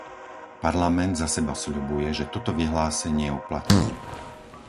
Parlament za seba sľubuje, že toto vyhlásenie uplatní.